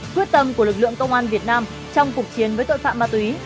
quyết tâm của lực lượng công an việt nam trong cuộc chiến với tội phạm ma túy